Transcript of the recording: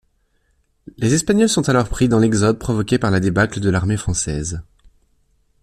Les Espagnols sont alors pris dans l’exode provoqué par la débâcle de l’armée française.